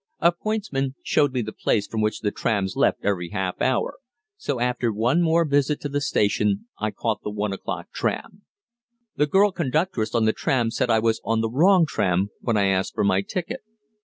A pointsman showed me the place from which the trams left every half hour, so after one more visit to the station I caught the one o'clock tram. The girl conductress on the tram said I was on the wrong tram when I asked for my ticket.